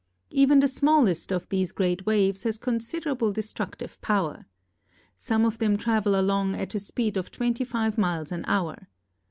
Even the smallest of these great waves has considerable destructive power. Some of them travel along at a speed of twenty five miles an hour.